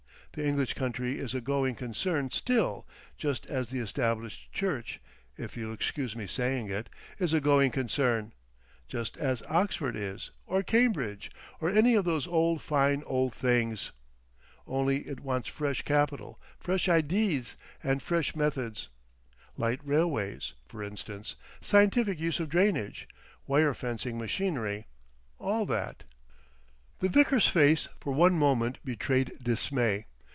The English country is a going concern still; just as the Established Church—if you'll excuse me saying it, is a going concern. Just as Oxford is—or Cambridge. Or any of those old, fine old things. Only it wants fresh capital, fresh idees and fresh methods. Light railways, f'rinstance—scientific use of drainage. Wire fencing machinery—all that." The vicar's face for one moment betrayed dismay.